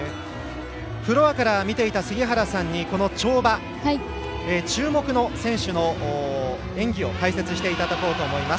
フロアから見ていた杉原さんにこの跳馬、注目の選手の演技を解説していただこうと思います。